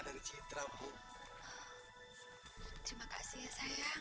bagadi senang bekerja bersama anda yang selalu persenjatakan